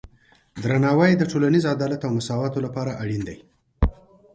درناوی د ټولنیز عدالت او مساواتو لپاره اړین دی.